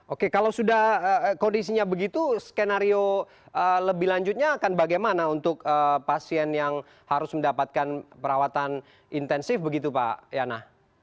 oke kalau sudah kondisinya begitu skenario lebih lanjutnya akan bagaimana untuk pasien yang harus mendapatkan perawatan intensif begitu pak yana